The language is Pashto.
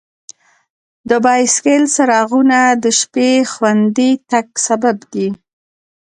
د بایسکل څراغونه د شپې خوندي تګ سبب دي.